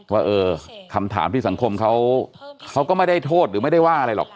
ว่าเออคำถามที่สังคมเขาก็ไม่ได้โทษหรือไม่ได้ว่าอะไรหรอก